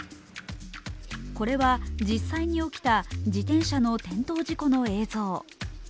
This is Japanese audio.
これは実際に起きた自転車の転倒事故の映像。